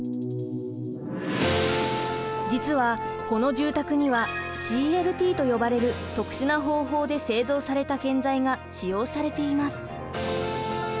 実はこの住宅にはＣＬＴと呼ばれる特殊な方法で製造された建材が使用されています。